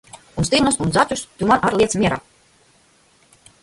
Un stirnas un zaķus tu man ar liec mierā!